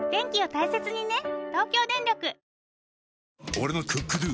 俺の「ＣｏｏｋＤｏ」！